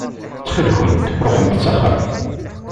Ttxil-kent ruḥemt s axxam.